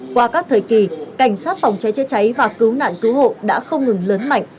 qua các thời kỳ cảnh sát phòng cháy chữa cháy và cứu nạn cứu hộ đã không ngừng lớn mạnh